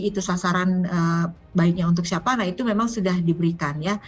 itu sasaran baiknya untuk siapa itu memang sudah diberikan